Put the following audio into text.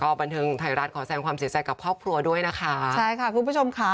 บันเทิงไทยรัฐขอแสงความเสียใจกับครอบครัวด้วยนะคะใช่ค่ะคุณผู้ชมค่ะ